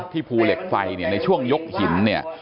ที่ภูเหลกไฟเนี่ยในช่วงยกหิน